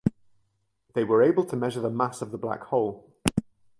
They were able to measure the mass of the black hole.